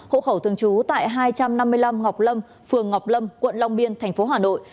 hộ khẩu thường trú tại hai trăm năm mươi năm ngọc lâm phường ngọc lâm quận long biên thành phố hà nội